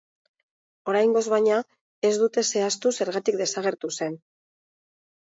Oraingoz, baina, ez dute zehaztu zergatik desagertu zen.